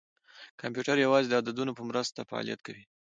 کمپیوټر یوازې د عددونو په مرسته فعالیت کوي.